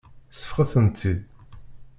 Seffɣet-ten-id.